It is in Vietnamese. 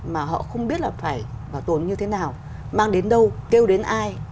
mà họ không biết là phải bảo tồn như thế nào mang đến đâu kêu đến ai